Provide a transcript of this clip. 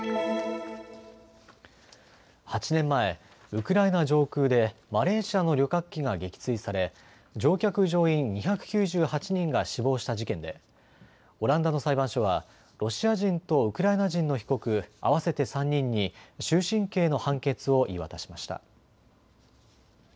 ８年前、ウクライナ上空でマレーシアの旅客機が撃墜され乗客乗員２９８人が死亡した事件で、オランダの裁判所はロシア人とウクライナ人の被告合わせて３人に終身刑の判決を言い渡しました。